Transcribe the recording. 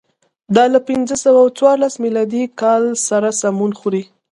دا له پنځه سوه څوارلس میلادي کال سره سمون خوري.